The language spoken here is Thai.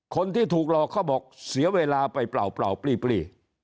คนที่ถูกหลอกเขาบอกเสียเวลาไปเปล่าปลี้